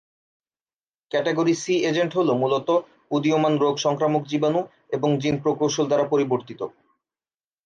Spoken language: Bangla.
ক্যাটাগরি সি এজেন্ট হলো মূলতঃ উদীয়মান রোগ সংক্রামক জীবাণু এবং জিন প্রকৌশল দ্বারা পরিবর্তিত।